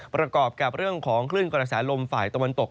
ประกอบกับเรื่องของคลื่นกระแสลมฝ่ายตะวันตก